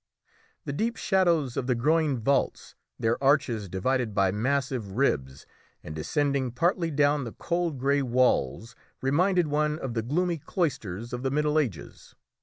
The deep shadows of the groined vaults, their arches divided by massive ribs, and descending partly down the cold grey walls, reminded one of the gloomy cloisters of the Middle Ages.